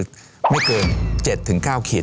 ที่ไม่เกิน๗๙คิดเท่านั้นอีก